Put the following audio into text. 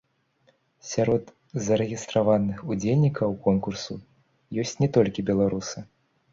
Сярод зарэгістраваных удзельнікаў конкурсу ёсць не толькі беларусы.